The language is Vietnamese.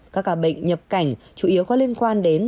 các ca bệnh nhập cảnh chủ yếu có liên quan đến